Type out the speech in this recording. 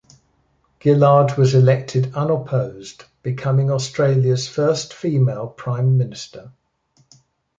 Gillard was elected unopposed, becoming Australia's first female prime minister.